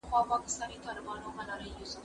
زه له سهاره سیر کوم؟